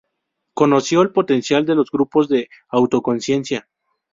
Conoció el potencial de los grupos de autoconciencia.